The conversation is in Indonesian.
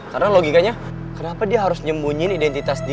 karena logikanya kenapa dia harus nyembunyiin identitas dia